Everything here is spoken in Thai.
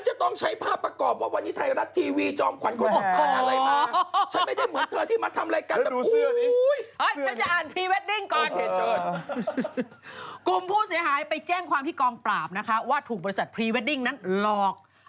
ฉันไม่ได้ส่งคำแรงมาบ้างบอกว่าคุณส่งโทรศัพท์ของกู